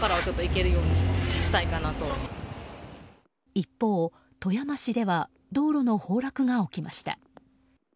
一方、富山市では道路の崩落が起きました。